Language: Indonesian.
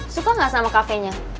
suka gak sama cafe nya